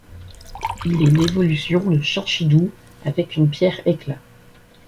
Il est l'évolution de Chinchidou avec une pierre éclat.